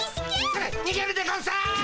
それにげるでゴンス！